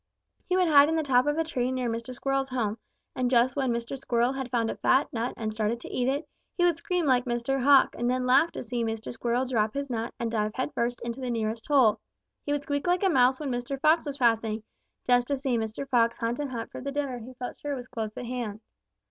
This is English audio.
He would hide in the top of a tree near Mr. Squirrel's home, and just when Mr. Squirrel had found a fat nut and started to eat it, he would scream like Mr. Hawk and then laugh to see Mr. Squirrel drop his nut and dive headfirst into the nearest hole. He would squeak like a mouse when Mr. Fox was passing, just to see Mr. Fox hunt and hunt for the dinner he felt sure was close at hand.